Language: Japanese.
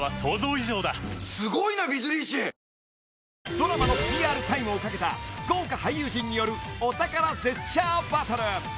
［ドラマのＰＲタイムを懸けた豪華俳優陣によるお宝ジェスチャーバトル］